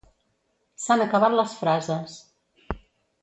S'han acabat les frases.